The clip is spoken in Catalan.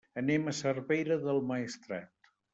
Anem a Cervera del Maestrat.